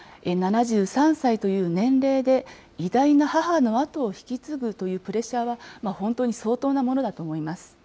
７３歳という年齢で偉大な母の後を引き継ぐというプレッシャーは、本当に相当なものだと思います。